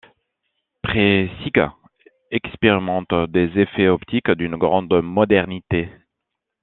Preissig expérimente des effets optiques d'une grande modernité.